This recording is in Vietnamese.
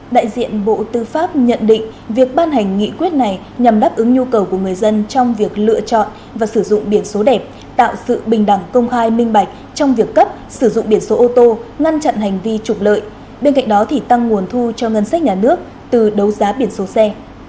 đại diện bộ tư pháp nhận định việc ban hành nghị quyết này nhằm đáp ứng nhu cầu của người dân trong việc lựa chọn và sử dụng biển số đẹp tạo sự bình đẳng công khai minh bạch trong việc cấp sử dụng biển số ô tô ngăn chặn hành vi trục lợi bên cạnh đó thì tăng nguồn thu cho ngân sách nhà nước từ đấu giá biển số xe